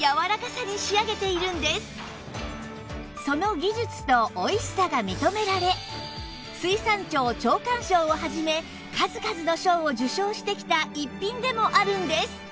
その技術と美味しさが認められ水産庁長官賞を始め数々の賞を受賞してきた逸品でもあるんです